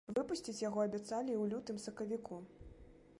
Выпусціць яго абяцалі ў лютым-сакавіку.